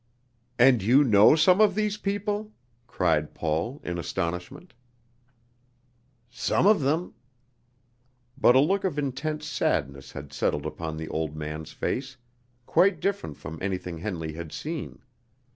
"And you know some of these people!" cried Paul in astonishment. "Some of them." But a look of intense sadness had settled upon the old man's face, quite different from anything Henley had seen.